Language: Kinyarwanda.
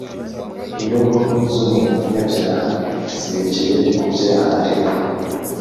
inyungu z umunyabyaha zerekeye ku byaha aregwa